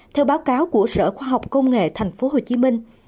theo báo cáo của sở khoa học công nghệ thành phố hồ chí minh